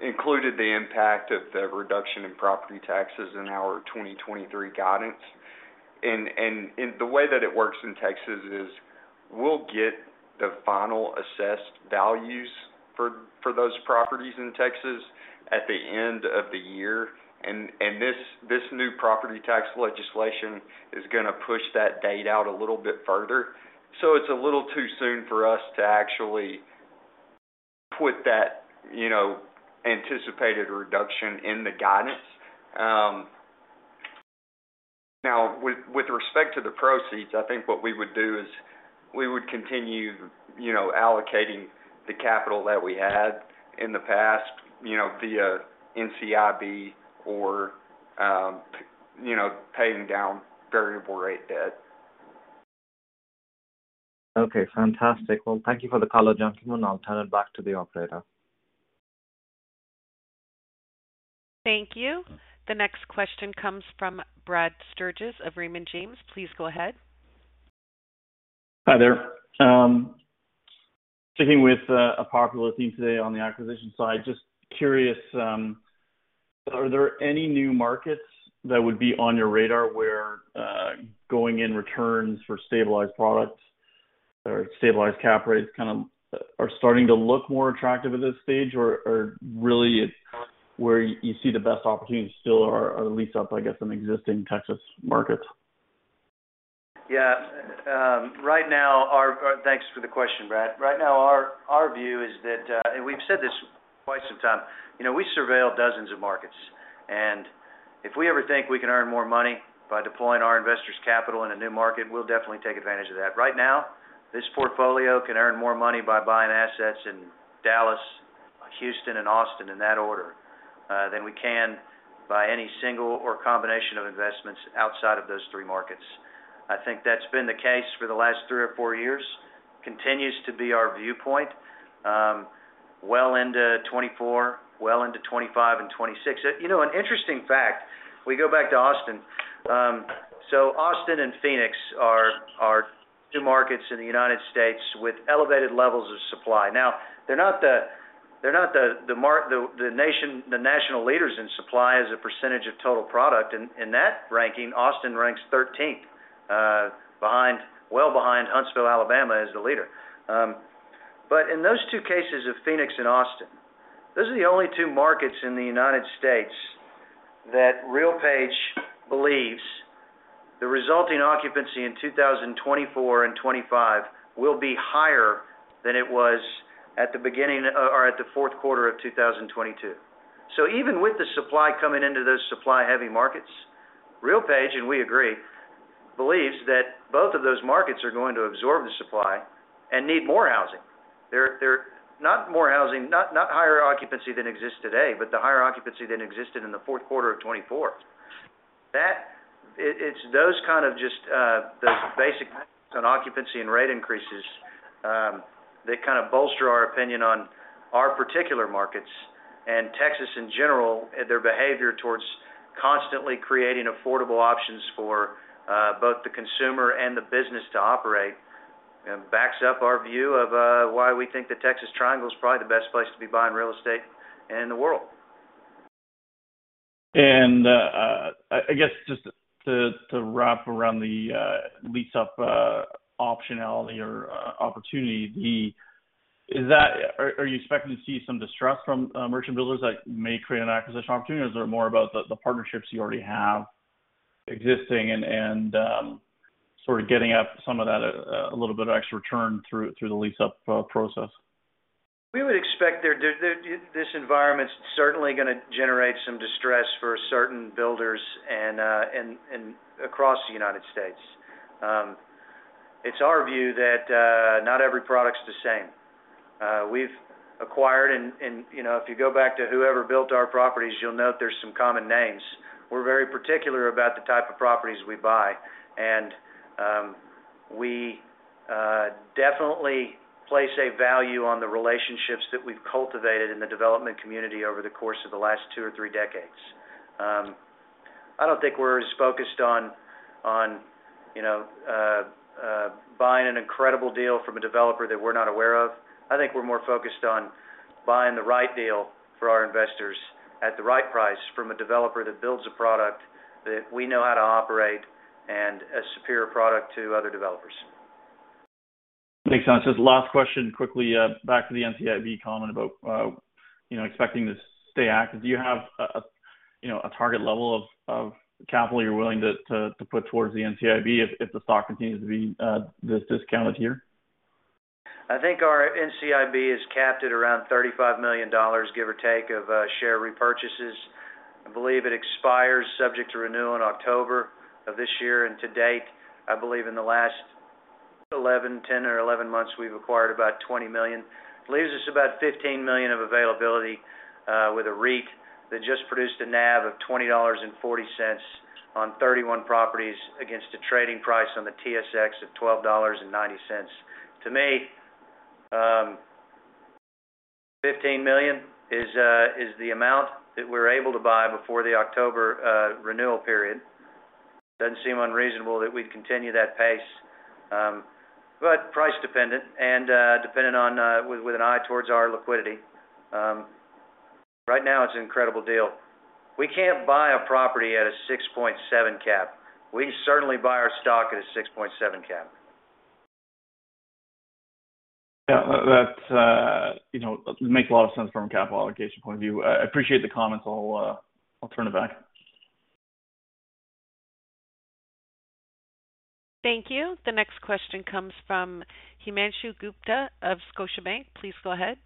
included the impact of the reduction in property taxes in our 2023 guidance. The way that it works in Texas is, we'll get the final assessed values for, for those properties in Texas at the end of the year, and this, this new property tax legislation is gonna push that date out a little bit further. It's a little too soon for us to actually put that, you know, anticipated reduction in the guidance. Now, with, with respect to the proceeds, I think what we would do is we would continue, you know, allocating the capital that we had in the past, you know, via NCIB or, you know, paying down variable rate debt. Okay, fantastic. Well, thank you for the color, Jonathan. I'll turn it back to the operator. Thank you. The next question comes from Brad Sturges of Raymond James. Please go ahead. Hi there. Sticking with a popular theme today on the acquisition side, just curious, are there any new markets that would be on your radar where going in returns for stabilized products or stabilized cap rates kind of, are starting to look more attractive at this stage? Or, or really, where you see the best opportunities still are, are leased up, I guess, in existing Texas markets? Yeah. Right now, our thanks for the question, Brad. Right now, our, our view is that, and we've said this quite some time, you know, we surveil dozens of markets, and if we ever think we can earn more money by deploying our investors' capital in a new market, we'll definitely take advantage of that. Right now, this portfolio can earn more money by buying assets in Dallas, Houston, and Austin, in that order, than we can by any single or combination of investments outside of those three markets. I think that's been the case for the last three or four years. Continues to be our viewpoint, well into 2024, well into 2025 and 2026. You know, an interesting fact, we go back to Austin. Austin and Phoenix are, are two markets in the United States with elevated levels of supply. Now, they're not the national leaders in supply as a percentage of total product. In that ranking, Austin ranks 13th, behind... Well behind Huntsville, Alabama, as the leader. In those two cases of Phoenix and Austin, those are the only two markets in the United States that RealPage believes the resulting occupancy in 2024 and 25 will be higher than it was at the beginning or at the fourth quarter of 2022. Even with the supply coming into those supply-heavy markets, RealPage, and we agree, believes that both of those markets are going to absorb the supply and need more housing. They're not more housing, not higher occupancy than exists today, but the higher occupancy than existed in the fourth quarter of 2024. That, it, it's those kind of just, those basic on occupancy and rate increases, that kind of bolster our opinion on our particular markets. Texas, in general, their behavior towards constantly creating affordable options for, both the consumer and the business to operate, backs up our view of, why we think the Texas Triangle is probably the best place to be buying real estate in the world. I, I guess just to, to wrap around the lease-up, optionality or opportunity. Are you expecting to see some distress from merchant builders that may create an acquisition opportunity, or is there more about the partnerships you already have existing and, and, sort of getting up some of that, a little bit of extra return through, through the lease-up, process? We would expect this environment's certainly going to generate some distress for certain builders and across the United States. It's our view that not every product is the same. We've acquired, and, you know, if you go back to whoever built our properties, you'll note there's some common names. We're very particular about the type of properties we buy, and we definitely place a value on the relationships that we've cultivated in the development community over the course of the last two or three decades. I don't think we're as focused on, you know, buying an incredible deal from a developer that we're not aware of. I think we're more focused on buying the right deal for our investors at the right price from a developer that builds a product that we know how to operate and a superior product to other developers. Makes sense. Just last question, quickly, back to the NCIB comment about, you know, expecting to stay active. Do you have, you know, a target level of, of capital you're willing to, to, to put towards the NCIB if, if the stock continues to be, this discounted here? I think our NCIB is capped at around 35 million dollars, give or take, of share repurchases. I believe it expires subject to renew in October of this year. To date, I believe in the last 11, 10 or 11 months, we've acquired about 20 million. Leaves us about 15 million of availability with a REIT that just produced a NAV of 20.40 dollars on 31 properties, against a trading price on the TSX of 12.90 dollars. To me, 15 million is the amount that we're able to buy before the October renewal period. Doesn't seem unreasonable that we'd continue that pace, price dependent and dependent on, with an eye towards our liquidity. Right now, it's an incredible deal. We can't buy a property at a 6.7% cap. We certainly buy our stock at a 6.7 cap. Yeah, that, that, you know, makes a lot of sense from a capital allocation point of view. I appreciate the comments. I'll, I'll turn it back. Thank you. The next question comes from Himanshu Gupta of Scotiabank. Please go ahead.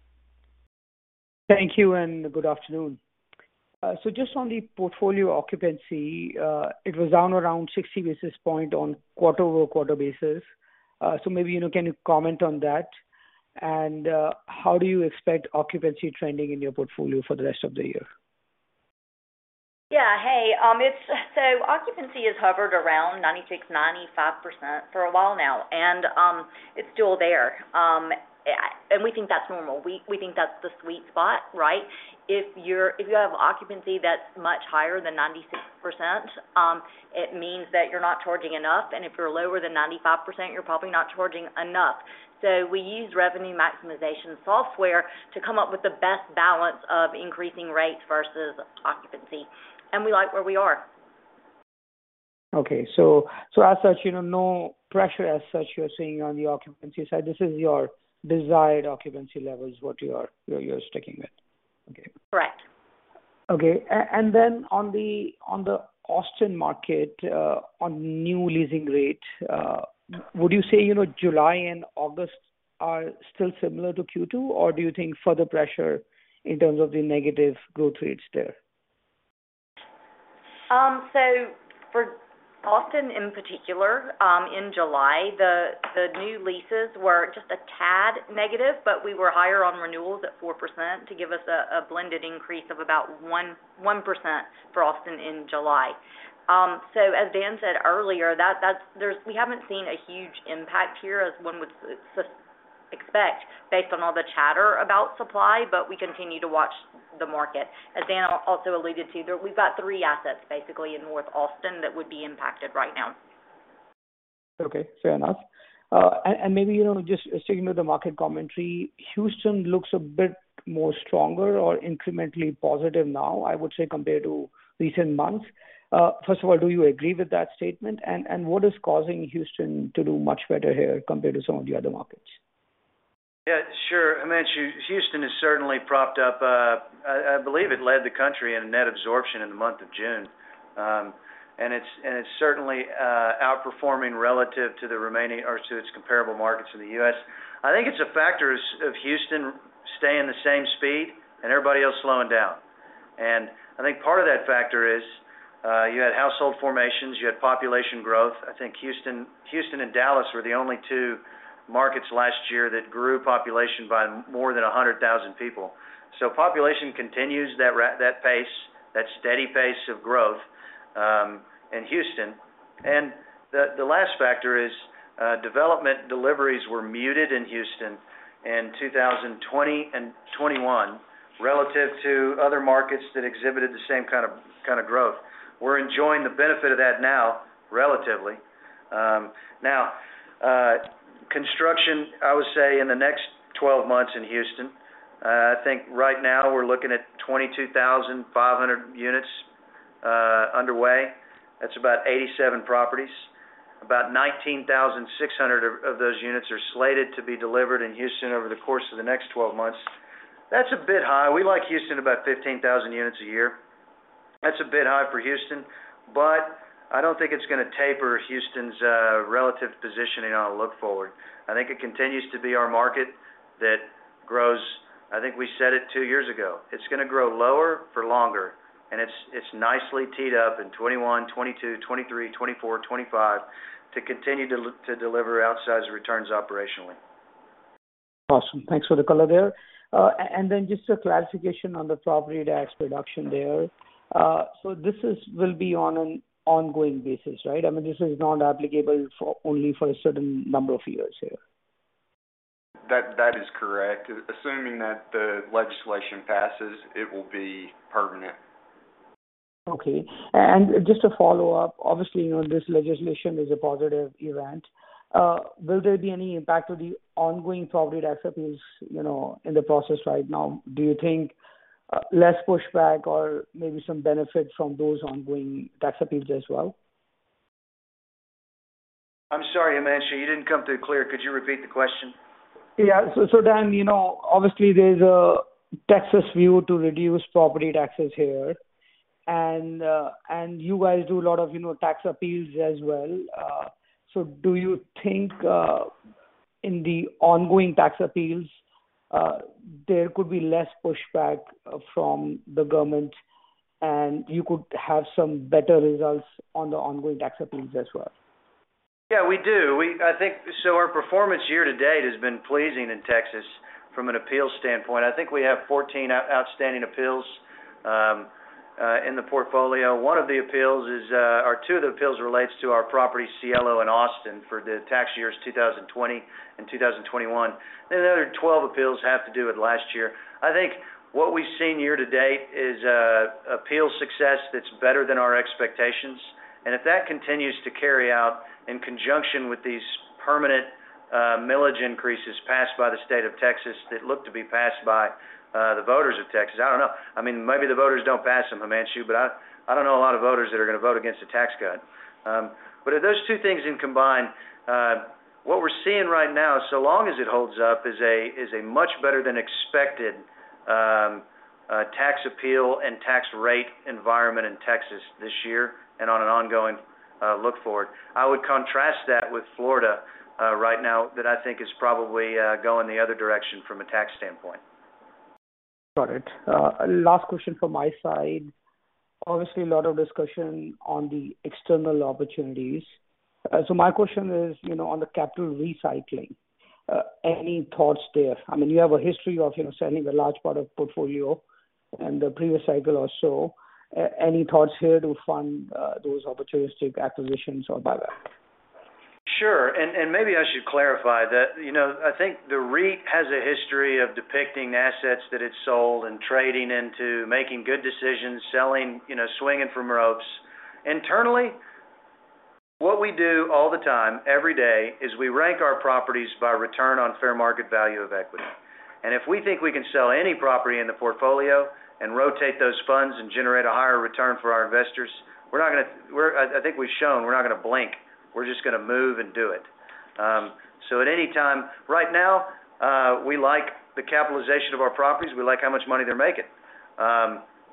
Thank you, and good afternoon. Just on the portfolio occupancy, it was down around 60 basis point on quarter-over-quarter basis. Maybe, you know, can you comment on that? How do you expect occupancy trending in your portfolio for the rest of the year? Yeah, hey, it's so occupancy is hovered around 96%, 95% for a while now, and it's still there. We think that's normal. We, we think that's the sweet spot, right? If you have occupancy that's much higher than 96%, it means that you're not charging enough, and if you're lower than 95%, you're probably not charging enough. We use revenue maximization software to come up with the best balance of increasing rates versus occupancy, and we like where we are. As such, you know, no pressure as such, you're seeing on the occupancy side. This is your desired occupancy level is what you are, you're, you're sticking with. Correct. Okay, and then on the Austin market, on new leasing rate, would you say, you know, July and August are still similar to Q2, or do you think further pressure in terms of the negative growth rates there? For Austin, in particular, in July, the new leases were just a tad negative, but we were higher on renewals at 4% to give us a blended increase of about 1% for Austin in July. As Dan said earlier, we haven't seen a huge impact here, as one would expect based on all the chatter about supply, but we continue to watch the market. As Dan also alluded to, we've got three assets, basically, in North Austin that would be impacted right now. Okay, fair enough. Maybe, you know, just sticking to the market commentary, Houston looks a bit more stronger or incrementally positive now, I would say, compared to recent months. First of all, do you agree with that statement? What is causing Houston to do much better here compared to some of the other markets? Yeah, sure. Himanshu, Houston is certainly propped up. I, I believe it led the country in net absorption in the month of June. It's, and it's certainly outperforming relative to the remaining or to its comparable markets in the US. I think it's a factor of, of Houston staying the same speed and everybody else slowing down. I think part of that factor is, you had household formations, you had population growth. I think Houston, Houston and Dallas were the only two markets last year that grew population by more than 100,000 people. Population continues that that pace, that steady pace of growth in Houston. The, the last factor is, development deliveries were muted in Houston in 2020 and 2021, relative to other markets that exhibited the same kind of, kind of growth. We're enjoying the benefit of that now, relatively. Now, construction, I would say in the next 12 months in Houston, I think right now we're looking at 22,500 units underway. That's about 87 properties. About 19,600 of those units are slated to be delivered in Houston over the course of the next 12 months. That's a bit high. We like Houston about 15,000 units a year. That's a bit high for Houston, but I don't think it's gonna taper Houston's relative positioning on a look forward. I think it continues to be our market that grows. I think we said it two years ago, it's gonna grow lower for longer, and it's nicely teed up in 2021, 2022, 2023, 2024, 2025, to continue to deliver outsized returns operationally. Awesome. Thanks for the color there. Then just a clarification on the property tax reduction there. Will be on an ongoing basis, right? I mean, this is not applicable for, only for a certain number of years here. That, that is correct. Assuming that the legislation passes, it will be permanent. Okay, just to follow up, obviously, you know, this legislation is a positive event. Will there be any impact to the ongoing property tax appeals, you know, in the process right now? Do you think less pushback or maybe some benefit from those ongoing tax appeals as well? I'm sorry, Himanshu, you didn't come through clear. Could you repeat the question? Yeah. So Dan, you know, obviously there's a Texas view to reduce property taxes here, and you guys do a lot of, you know, tax appeals as well. Do you think, in the ongoing tax appeals, there could be less pushback from the government, and you could have some better results on the ongoing tax appeals as well? Yeah, we do. We I think. Our performance year to date has been pleasing in Texas from an appeals standpoint. I think we have 14 outstanding appeals in the portfolio. One of the appeals is or two of the appeals relates to our property, Cielo in Austin, for the tax years 2020 and 2021. The other 12 appeals have to do with last year. I think what we've seen year to date is a appeal success that's better than our expectations, and if that continues to carry out in conjunction with these permanent millage increases passed by the state of Texas, that look to be passed by the voters of Texas. I don't know. I mean, maybe the voters don't pass them, Himanshu, but I, I don't know a lot of voters that are going to vote against a tax cut. If those two things in combine, what we're seeing right now, so long as it holds up, is a much better than expected, tax appeal and tax rate environment in Texas this year and on an ongoing, look forward. I would contrast that with Florida, right now, that I think is probably going the other direction from a tax standpoint. Got it. Last question from my side. Obviously, a lot of discussion on the external opportunities. My question is, you know, on the capital recycling. Any thoughts there? I mean, you have a history of, you know, selling a large part of portfolio in the previous cycle or so. Any thoughts here to fund those opportunistic acquisitions or buyback? Sure. Maybe I should clarify that, you know, I think the REIT has a history of depicting assets that it's sold and trading into making good decisions, selling, you know, swinging from ropes. Internally, what we do all the time, every day, is we rank our properties by return on fair market value of equity. If we think we can sell any property in the portfolio and rotate those funds and generate a higher return for our investors, we're not gonna we're, I think we've shown we're not gonna blink. We're just gonna move and do it. At any time, right now, we like the capitalization of our properties. We like how much money they're making.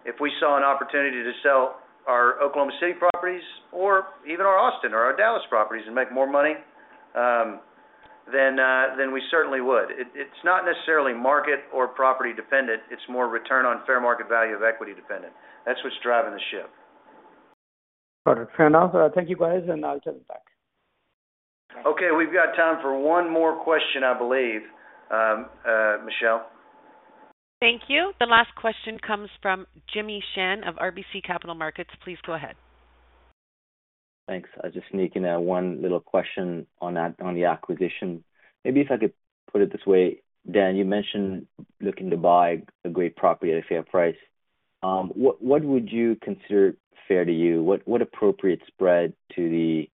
If we saw an opportunity to sell our Oklahoma City properties or even our Austin or our Dallas properties and make more money, then we certainly would. It's not necessarily market or property dependent, it's more return on fair market value of equity dependent. That's what's driving the ship. Got it. Fair enough. Thank you, guys. I'll turn it back. Okay, we've got time for one more question, I believe. Michelle? Thank you. The last question comes from Jimmy Shan of RBC Capital Markets. Please go ahead. Thanks. I'll just sneak in one little question on that, on the acquisition. Maybe if I could put it this way: Dan, you mentioned looking to buy a great property at a fair price. What, what would you consider fair to you? What, what appropriate spread to the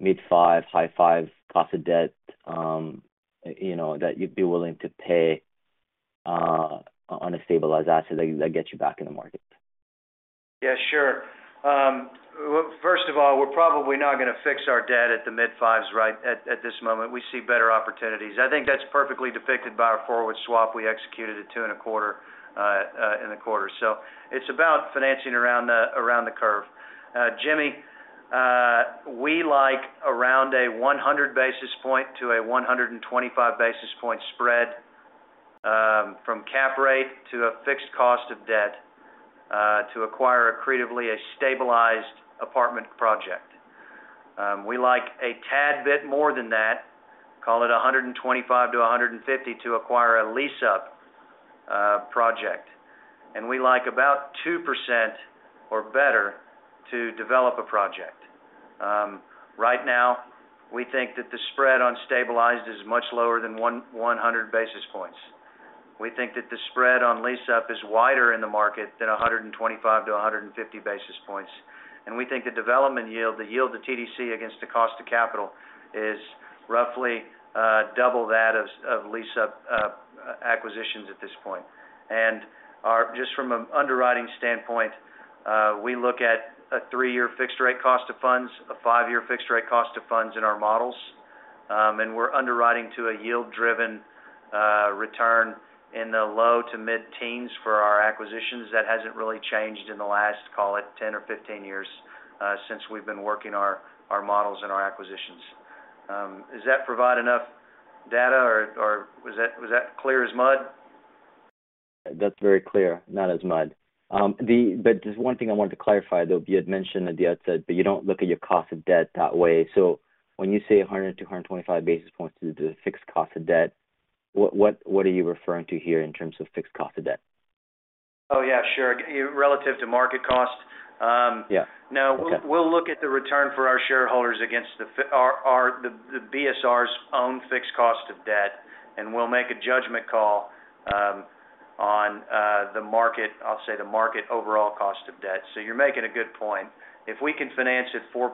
mid five, high five cost of debt, you know, that you'd be willing to pay on a stabilized asset that, that gets you back in the market? Yeah, sure. Well, first of all, we're probably not gonna fix our debt at the mid-5s, right at, at this moment. We see better opportunities. I think that's perfectly depicted by our forward swap. We executed at 2.25 in the quarter. It's about financing around the, around the curve. Jimmy, we like around a 100 basis points-125 basis points spread from cap rate to a fixed cost of debt to acquire accretively a stabilized apartment project. We like a tad bit more than that, call it 125-150, to acquire a lease-up project, and we like about 2% or better to develop a project. Right now, we think that the spread on stabilized is much lower than 100 basis points. We think that the spread on lease-up is wider in the market than 125-150 basis points, and we think the development yield, the yield to TDC against the cost of capital, is roughly double that of, of lease up, acquisitions at this point. Just from an underwriting standpoint, we look at a three-year fixed rate cost of funds, a five-year fixed rate cost of funds in our models, and we're underwriting to a yield-driven return in the low to mid-teens for our acquisitions. That hasn't really changed in the last, call it, 10 or 15 years, since we've been working our, our models and our acquisitions. Does that provide enough data, or, or was that, was that clear as mud? That's very clear, not as mud. There's one thing I wanted to clarify, though. You had mentioned at the outset that you don't look at your cost of debt that way. So when you say 100-125 basis points to the fixed cost of debt, what are you referring to here in terms of fixed cost of debt? Oh, yeah, sure. Relative to market cost? Yes. Now, we'll, we'll look at the return for our shareholders against the fi- our, our, the BSR's own fixed cost of debt, and we'll make a judgment call on the market, I'll say, the market overall cost of debt. You're making a good point. If we can finance at 4%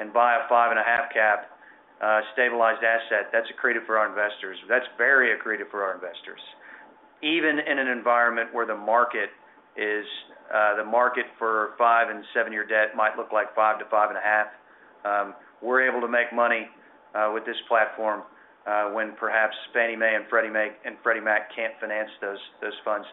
and buy a 5.5 cap stabilized asset, that's accretive for our investors. That's very accretive for our investors. Even in an environment where the market is, the market for five- and seven-year debt might look like 5%-5.5%, we're able to make money with this platform when perhaps Fannie Mae and Freddie Mac can't finance those, those funds.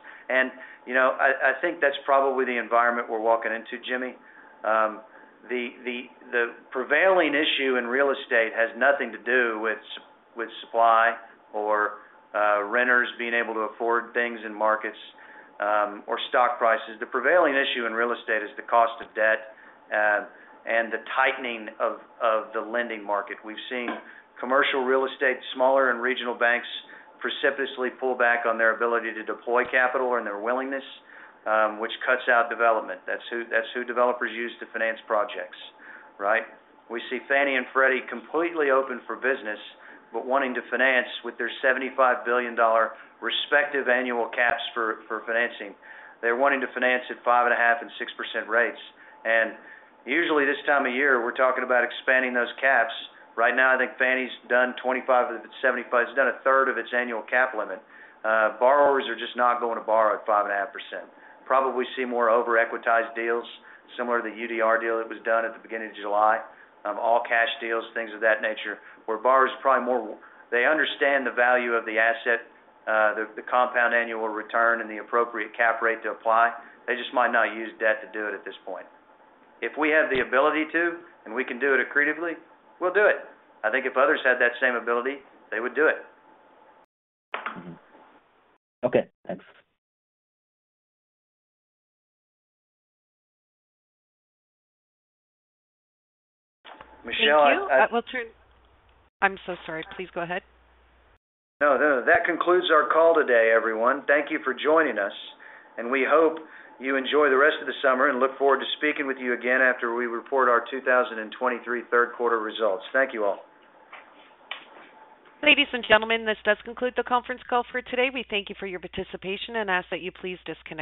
You know, I, I think that's probably the environment we're walking into, Jimmy. The prevailing issue in real estate has nothing to do with supply or renters being able to afford things in markets or stock prices. The prevailing issue in real estate is the cost of debt and the tightening of the lending market. We've seen commercial real estate, smaller and regional banks, precipitously pull back on their ability to deploy capital and their willingness, which cuts out development. That's who developers use to finance projects, right? We see Fannie and Freddie completely open for business, wanting to finance with their $75 billion respective annual caps for financing. They're wanting to finance at 5.5% and 6% rates. Usually, this time of year, we're talking about expanding those caps. Right now, I think Fannie's done 25 of the 75. It's done a third of its annual cap limit. borrowers are just not going to borrow at 5.5%. Probably see more over-equitized deals, similar to the UDR deal that was done at the beginning of July, all-cash deals, things of that nature, where borrowers probably more. They understand the value of the asset, the compound annual return and the appropriate cap rate to apply. They just might not use debt to do it at this point. If we have the ability to, and we can do it accretively, we'll do it. I think if others had that same ability, they would do it Okay, thanks. Michelle. Thank you. I'm so sorry. Please go ahead. No, no, no. That concludes our call today, everyone. Thank you for joining us, and we hope you enjoy the rest of the summer, and look forward to speaking with you again after we report our 2023 third quarter results. Thank you, all. Ladies and gentlemen, this does conclude the conference call for today. We thank you for your participation and ask that you please disconnect your